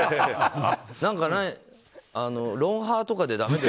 何か「ロンハー」とかで出せない？